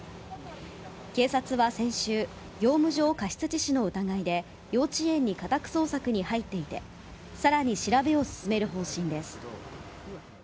警察は先週、業務上過失致死の疑いで、幼稚園に家宅捜索に入っていて、さらに調べを進める方針です。